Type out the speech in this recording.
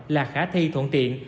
là khả thi thuận tiện